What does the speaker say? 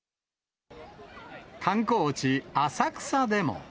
観光地、浅草でも。